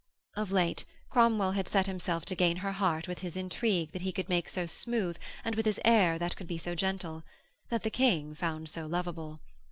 Of late Cromwell had set himself to gain her heart with his intrigue that he could make so smooth and with his air that could be so gentle that the King found so lovable.